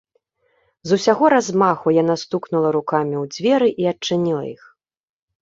З усяго размаху яна стукнула рукамі ў дзверы і адчыніла іх.